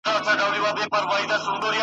تله جومات ته بله ډله د زلميانو !.